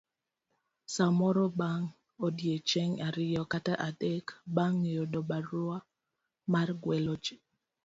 samoro bang' odiechienge ariyo kata adek bang' yudo barua mar gwelo ji.